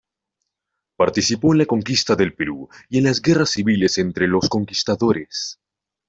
Participó en la conquista del Perú y en las guerras civiles entre los conquistadores.